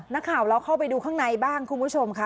นักข่าวเราเข้าไปดูข้างในบ้างคุณผู้ชมค่ะ